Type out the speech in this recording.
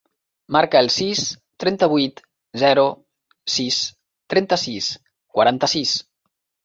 Marca el sis, trenta-vuit, zero, sis, trenta-sis, quaranta-sis.